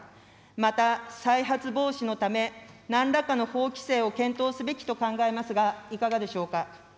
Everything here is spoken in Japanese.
また再発防止のため、なんらかの法規制を検討すべきと考えますが、いかがでしょうか。